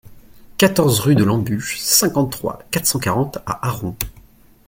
quatorze rue de l'Embûche, cinquante-trois, quatre cent quarante à Aron